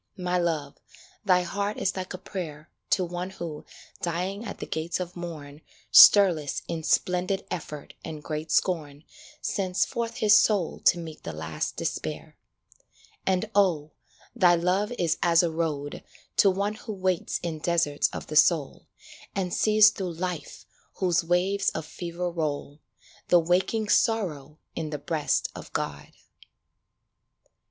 My Love, thy heart is like a prayer To one who, dying at the gates of morn, Stirless, in splendid effort and great scorn, Sends forth his soul to meet the last despair. 66 SONG And oh, thy Love is as a road To one who waits in deserts of the soul, And sees through Life, whose waves of fever roll, The waking Sorrow in the breast of God.